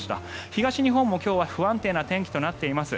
東日本も今日は不安定な天気となっています。